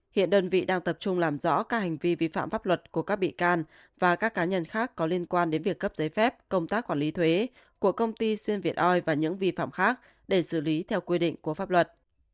hiện đơn vị đang tập trung làm rõ các hành vi vi phạm pháp luật của các bị can và các cá nhân khác có liên quan đến việc cấp giấy phép công tác quản lý thuế của công ty xuyên việt oil và những vi phạm khác để xử lý theo quy định của pháp luật